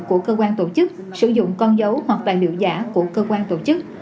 của cơ quan tổ chức sử dụng con dấu hoặc tài liệu giả của cơ quan tổ chức